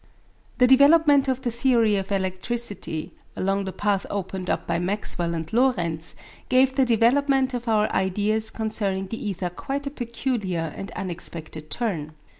The development of the theory of electricity along the path opened up by Maxwell and Lorentz gave the development of our ideas concerning the ether quite a peculiar and unexpected turn.